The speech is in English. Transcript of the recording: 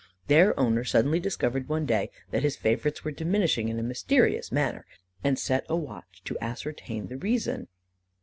Their owner suddenly discovered, one day, that his favourites were diminishing in a mysterious manner, and set a watch to ascertain the reason.